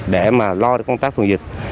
để mà lo công tác phòng dịch